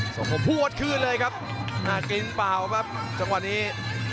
สมพงศ์พูดคืนเลยครับน่ากินเปล่าครับจังหวะนี้